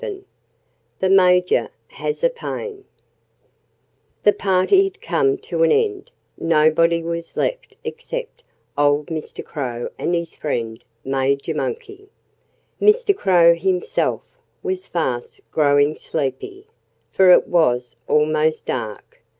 VII The Major Has a Pain The party had come to an end; nobody was left except old Mr. Crow and his friend Major Monkey. Mr. Crow himself was fast growing sleepy, for it was almost dark.